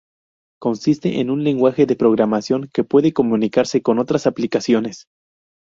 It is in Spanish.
Consiste en un lenguaje de programación que puede comunicarse con otras aplicaciones.